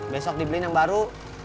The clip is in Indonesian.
besok dibeliin yang baru